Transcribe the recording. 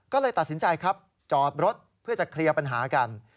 ก็เลยตัดสินใจครับจอดรถเพื่อจะเคลียร์ปัญหากัน